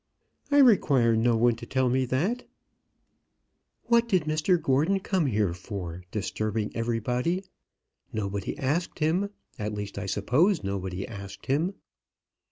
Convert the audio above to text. "I require no one to tell me that." "What did Mr Gordon come here for, disturbing everybody? Nobody asked him; at least, I suppose nobody asked him."